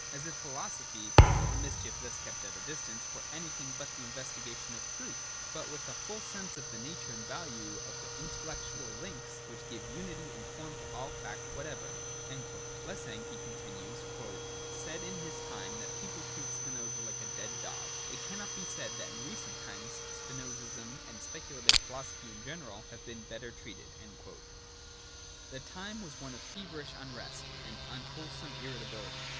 as if philosophy — the mischief thus kept at a distance — were anything but the investigation of Truth, but with a full sense of the nature and value of the intellectual links which give unity and form to all fact whatever.' ' Lessing,' he continues (p. xvi), ' said in his time that people treat Spinoza like a dead dog \ It cannot be said that in recent times Spinozism and speculative philosophy in general have been better treated.' The time was one of feverish unrest and unwhole some irritability.